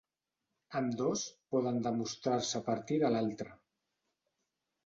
Ambdós poden demostrar-se a partir de l'altre.